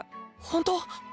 本当⁉